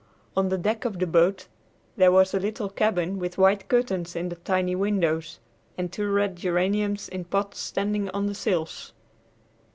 On the deck of the boat there was a little cabin with white curtains in the tiny windows and two red geraniums in pots standing on the sills.